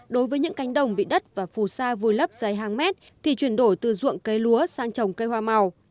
đối với những cánh đồng bị đất và phù sa vùi lấp dài hàng mét thì chuyển đổi từ ruộng cây lúa sang trồng cây hoa màu